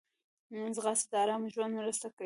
ځغاسته د آرام ژوند مرسته کوي